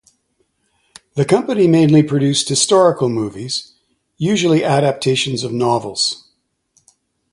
The company mainly produced historical movies, usually adaptations of novels.